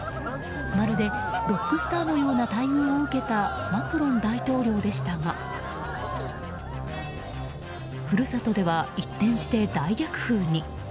まるでロックスターのような待遇を受けたマクロン大統領でしたが故郷では一転して大逆風に。